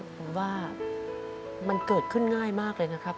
ผมว่ามันเกิดขึ้นง่ายมากเลยนะครับ